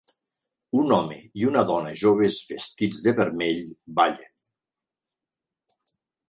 Un home i una dona joves vestits de vermell ballen.